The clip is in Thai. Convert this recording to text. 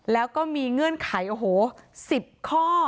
แล้วก็มีเงื่อนไข๑๐ข้อ